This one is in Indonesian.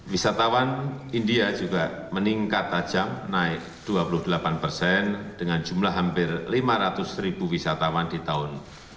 wisatawan india juga meningkat tajam naik dua puluh delapan persen dengan jumlah hampir lima ratus ribu wisatawan di tahun dua ribu dua puluh